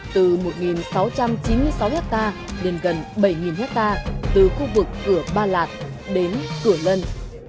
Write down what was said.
từ một sáu trăm chín mươi sáu hectare lên gần bảy hectare từ khu vực cửa ba lạt đến cửa lân